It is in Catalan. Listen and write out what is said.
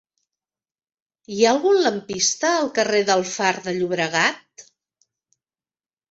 Hi ha algun lampista al carrer del Far de Llobregat?